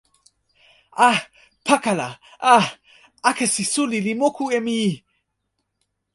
a! pakala! a! akesi suli li moku e mi!